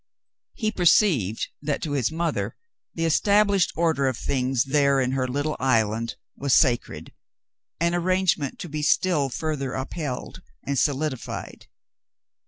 He perceived that to his mother the established order of things there in her little island was sacred — an arrange ment to be still further upheld and solidified.